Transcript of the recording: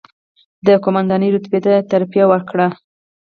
د قوماندانۍ رتبې ته ترفېع وکړه،